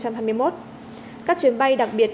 các chuyến bay đặc biệt